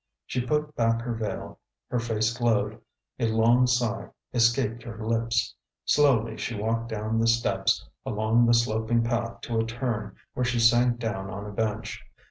She put back her veil; her face glowed; a long sigh escaped her lips. Slowly she walked down the steps, along the sloping path to a turn, where she sank down on a bench.